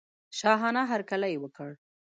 شاهانه هرکلی وکړ.